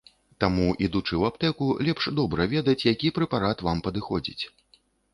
Таму, ідучы ў аптэку, лепш добра ведаць, які прэпарат вам падыходзіць.